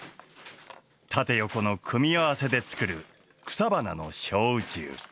経よこの組み合わせで作る草花の小宇宙。